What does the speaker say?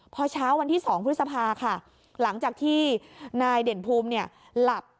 พอเช้าวันที่๒พฤษภาค่ะหลังจากที่นายเด่นภูมิเนี่ยหลับ